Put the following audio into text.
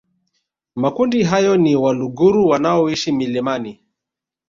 Makundi hayo ni Waluguru wanaoishi milimani